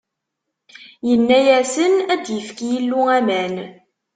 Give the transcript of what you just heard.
Inna-asen: Ad d-yefk Yillu aman.